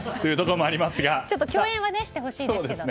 共演はしてほしいですけどね。